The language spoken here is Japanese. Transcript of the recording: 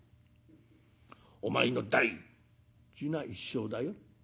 お前の大事な一生だよ。